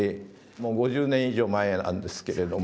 もう５０年以上前なんですけれども。